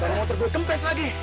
barang barang terbuat gempes lagi